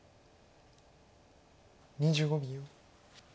２５秒。